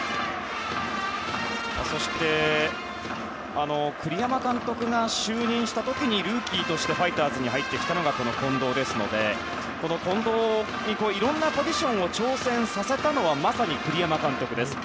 そして、栗山監督が就任した時にルーキーとしてファイターズに入ってきたのが近藤ですのでこの近藤にいろんなポジションを挑戦させたのはまさに栗山監督です。